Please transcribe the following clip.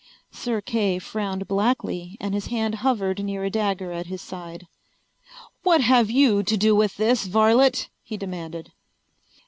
Sir Kay frowned blackly and his hand hovered near a dagger at his side. "What have you to do with this, varlet?" he demanded.